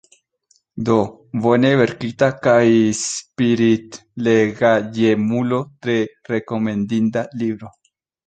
Do: bone verkita, kaj por spiritlegaĵemuloj tre rekomendinda libro.